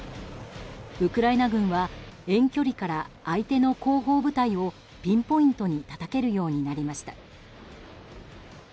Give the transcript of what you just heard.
ウクライナ軍は遠距離から、相手の後方部隊をピンポイントにたたけるようになりました。